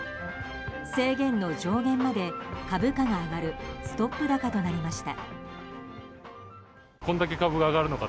制限の上限まで株価が上がるストップ高となりました。